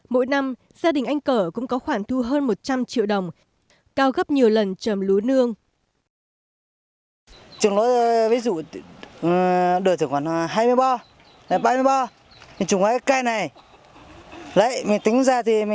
mỗi năm gia đình anh cở cũng có khoản thu hơn một trăm linh triệu đồng cao gấp nhiều lần trồng lúa nương